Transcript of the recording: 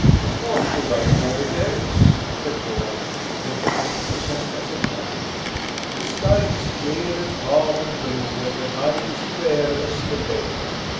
"What should I call it else?" said Torarin, looking as innocent as a child. "The sky is clear and calm and blue, and the night is fair as the day.